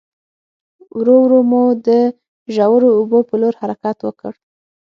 ورو ورو مو د ژورو اوبو په لور حرکت وکړ.